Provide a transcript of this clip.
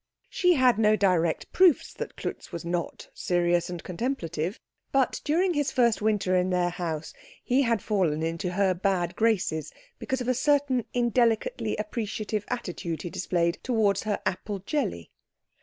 She had no direct proofs that Klutz was not serious and contemplative, but during his first winter in their house he had fallen into her bad graces because of a certain indelicately appreciative attitude he displayed towards her apple jelly.